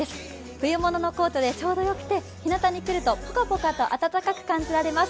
冬物のコートでちょうどよくて、日なたに来るとポカポカと暖かく感じられます。